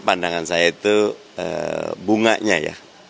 pandangan saya itu bunganya ya